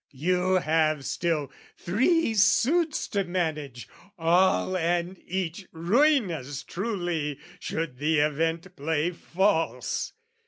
"You have still three suits to manage, all and each "Ruinous truly should the event play false.